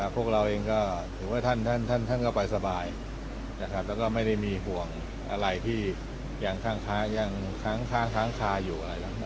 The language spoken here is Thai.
พวกเราเองถือว่าท่านก็ไปสบายและไม่ได้มีห่วงอะไรที่ยังค้างคาอยู่